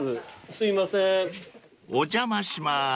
［お邪魔しまーす］